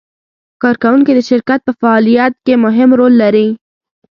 کارکوونکي د شرکت په فعالیت کې مهم رول لري.